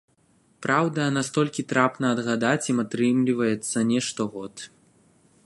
Праўда, настолькі трапна адгадаць ім атрымліваецца не штогод.